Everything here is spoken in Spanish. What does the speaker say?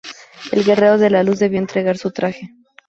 El Guerrero de la Luz debió entregar su traje.